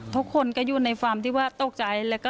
ทุกคนก็อยู่ในฝ่ามที่ว่าตกใจเลย